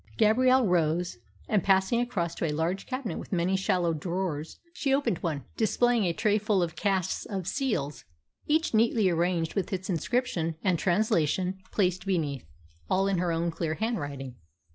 Gabrielle rose, and, passing across to a large cabinet with many shallow drawers, she opened one, displaying a tray full of casts of seals, each neatly arranged, with its inscription and translation placed beneath, all in her own clear handwriting.